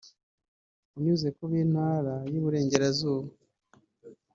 unyuze ku b’Intara y’Iburengerazuba